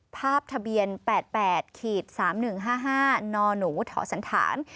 ภาพทะเบียน๘๘๓๑๕๕นหนูถสันฐาน